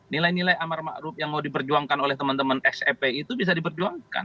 nilai nilai amar ma'ruf yang mau diperjuangkan oleh teman teman xfp itu bisa diperjuangkan